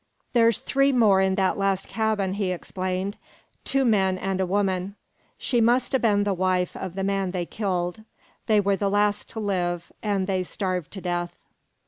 "There's three more in that last cabin," he explained. "Two men, an' a woman. She must ha' been the wife of the man they killed. They were the last to live, an' they starved to death.